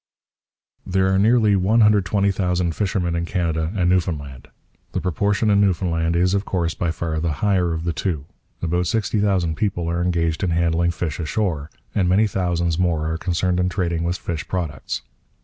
There are nearly 120,000 fishermen in Canada and Newfoundland. The proportion in Newfoundland is, of course, by far the higher of the two. About 60,000 people are engaged in handling fish ashore, and many thousands more are concerned in trading with fish products.